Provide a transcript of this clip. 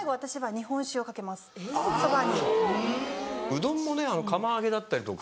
うどんもね釜揚げだったりとか。